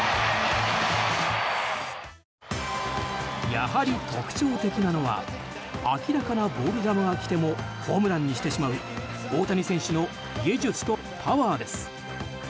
やはり特徴的なのは明らかなボール球が来てもホームランにしてしまう大谷選手の技術とパワーです。